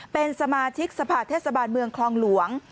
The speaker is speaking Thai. เป็นสมาชิกสภาเทศบาลเมืองคลองหลวง